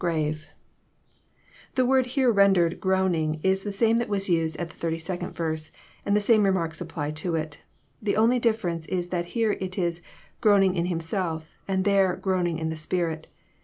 grave,'] The word here rendered *' groaning '* is the same that was used at S2d verse, and the same remarks apply to it. The only difference is that here it is <* groaning in Himself," and there ''groaning in the spirit.